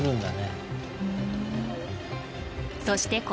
そして